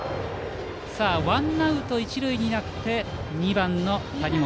ワンアウト一塁になって２番の谷本。